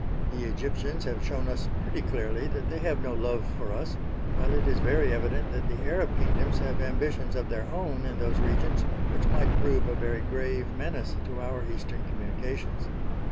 The Egyptians have shown us pretty clearly that they have no love for us, while it is very evident that the Arab kingdoms have ambitions of their own in those regions, which might prove a very grave menace to our eastern communications.